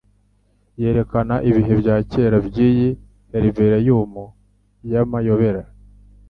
Yerekana ibihe bya kera byiyi herbarium y'amayobera